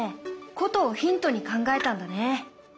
ことをヒントに考えたんだね。